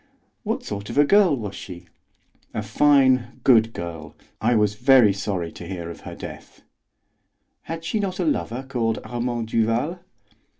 "What sort of a girl was she?" "A fine, good girl. I was very sorry to hear of her death." "Had she not a lover called Armand Duval?"